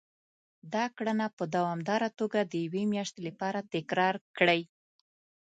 دا کړنه په دوامداره توګه د يوې مياشتې لپاره تکرار کړئ.